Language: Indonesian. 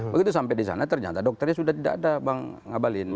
begitu sampai di sana ternyata dokternya sudah tidak ada bang ngabalin